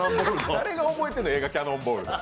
誰が覚えてるの、映画「キャノンボール」。